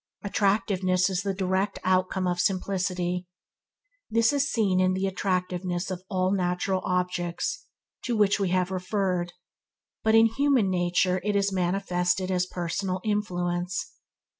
Attractiveness is the direct outcome of simplicity. This is seen in the attractiveness of all natural objects; to which we have referred, but in human nature it is manifested as personal influence.